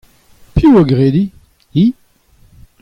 Piv a gredi ?- Hi.